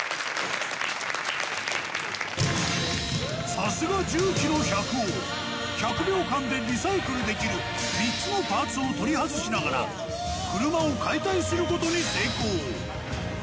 さすが重機の百王１００秒間でリサイクルできる３つのパーツを取り外しながら車を解体することに成功